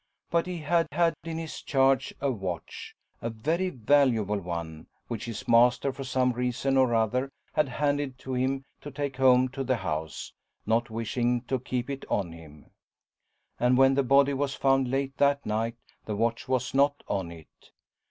But he had had in his charge a watch a very valuable one which his master for some reason or other had handed to him to take home to the house, not wishing to keep it on him. And when the body was found late that night, the watch was not on it.